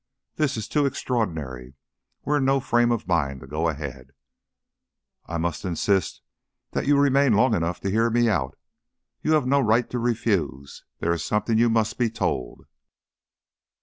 "This is too extraordinary We're in no frame of mind to go ahead " "I must insist that you remain long enough to hear me out. You have no right to refuse. There is something you must be told."